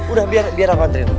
udah biar aku antarin